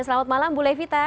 selamat malam ibu levita